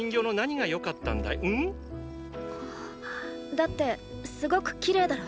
だってすごく綺麗だろ。